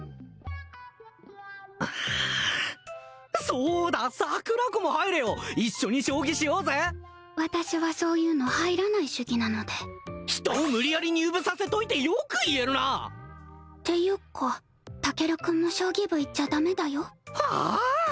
そうだ桜子も入れよ一緒に将棋しようぜ私はそういうの入らない主義なので人を無理やり入部させといてよく言えるな！っていうかタケル君も将棋部行っちゃダメだよはあ！？